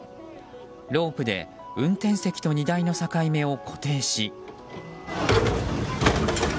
ロープで運転席と荷台の境目を固定し。